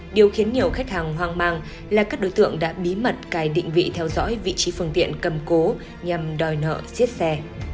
điều khiến nhiều khách hàng hoang mang là các đối tượng đã bí mật cài định vị theo dõi vị trí phương tiện cầm cố nhằm đòi nợ xiết xe